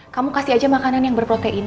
kamu kasih aja makanan yang berprotein